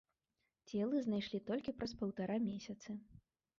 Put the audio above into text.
Целы знайшлі толькі праз паўтара месяцы.